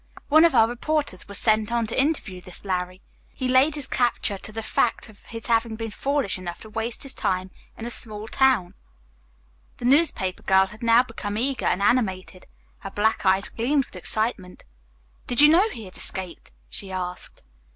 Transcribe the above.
One of our reporters was sent on to interview this Larry. He laid his capture to the fact of his having been foolish enough to waste his time in a small town." The newspaper girl had now become eager and animated. Her black eyes gleamed with excitement. "Did you know he had escaped?" she asked.